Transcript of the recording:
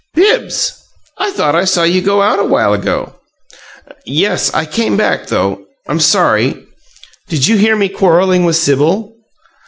"Bibbs! I thought I saw you go out awhile ago." "Yes. I came back, though. I'm sorry " "Did you hear me quarreling with Sibyl?"